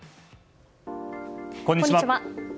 こんにちは。